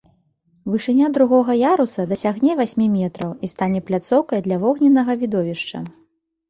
Вышыня другога яруса дасягне васьмі метраў і стане пляцоўкай для вогненнага відовішча.